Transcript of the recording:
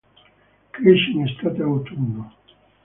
Cresce in estate-autunno.